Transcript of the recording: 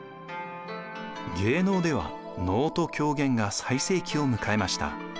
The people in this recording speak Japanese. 芸能では能と狂言が最盛期を迎えました。